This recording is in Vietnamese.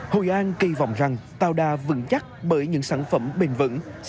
hội an kỳ vọng rằng tạo đà vững chắc bởi những sản phẩm bền vững